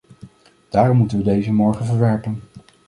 Daarom moeten we deze morgen verwerpen.